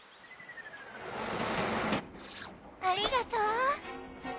ありがとう。